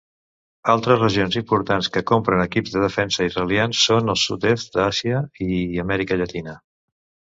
Altres regions importants que compren equips de defensa israelians són el sud-est d'Àsia i Amèrica Llatina.